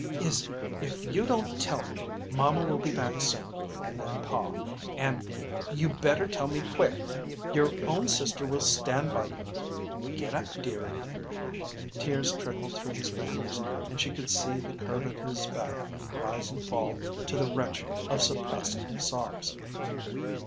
"Izzy, if you don't tell me, mamma will be back soon, and then pa; and you better tell me quick. Your own sister will stand by you. Get up, dearie." Tears trickled through his fingers and she could see the curve of his back rise and fall to the retching of suppressed sobs.